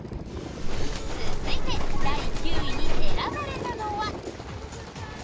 続いて第９位に選ばれたのは。